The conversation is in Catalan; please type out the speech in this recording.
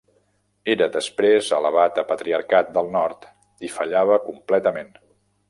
Era després elevat a Patriarcat del Nord i fallava completament.